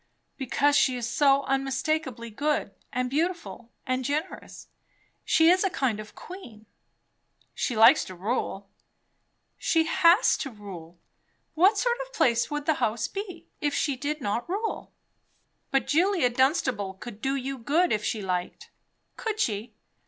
"Because she is so unspeakably good, and beautiful, and generous. She is a kind of a queen!" "She likes to rule." "She has to rule. What sort of a place would the house be, if she did not rule?" "But, Julia Dunstable could do you good, if she liked." "Could she?